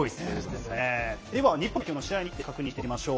では日本代表の試合日程確認しておきましょう。